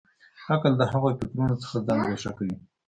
عقل د هغو فکرونو څخه ځان ګوښه کوي.